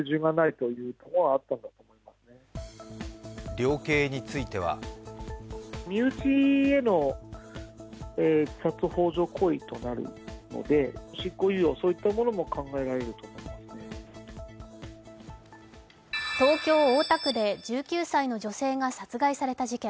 量刑については東京・大田区で１９歳の女性が殺害された事件。